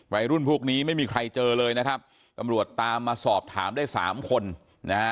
พวกนี้ไม่มีใครเจอเลยนะครับตำรวจตามมาสอบถามได้สามคนนะฮะ